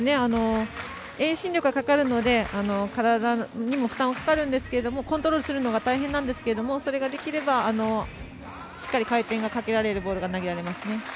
遠心力がかかるので体にも負担がかかってコントロールするのが大変なんですけどそれができればしっかり回転がかけられるボールが投げられますね。